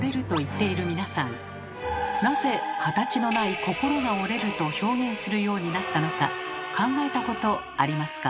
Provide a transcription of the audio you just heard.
なぜ形のない心が折れると表現するようになったのか考えたことありますか？